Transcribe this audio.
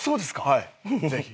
はいぜひ。